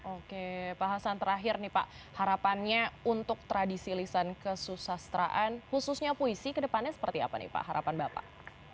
oke pak hasan terakhir nih pak harapannya untuk tradisi lisan kesusastraan khususnya puisi kedepannya seperti apa nih pak harapan bapak